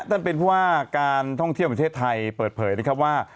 ท่านเป็นผู้ว่าการท่องเที่ยวประเทศไทยเปิดเผยนะครับว่า